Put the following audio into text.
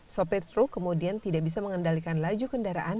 sopir truk kemudian tidak bisa mengendalikan laju kendaraan